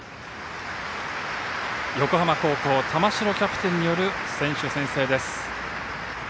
横浜高校玉城キャプテンによる選手宣誓です。